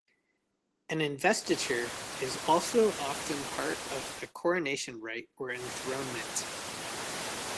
An investiture is also often part of a coronation rite or enthronement.